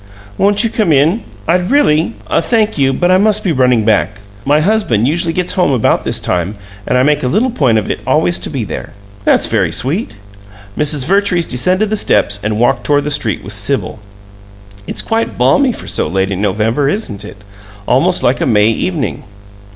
"Won't you come in? I'd really " "Thank you, but I must be running back. My husband usually gets home about this time, and I make a little point of it always to be there." "That's very sweet." Mrs. Vertrees descended the steps and walked toward the street with Sibyl. "It's quite balmy for so late in November, isn't it? Almost like a May evening."